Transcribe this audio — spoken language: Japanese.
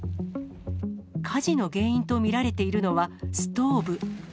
火事の原因と見られているのはストーブ。